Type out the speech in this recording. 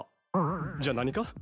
じゃあ何か？